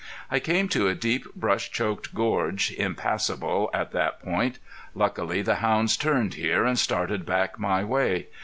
I came to a deep brush choked gorge, impassable at that point. Luckily the hounds turned here and started back my way.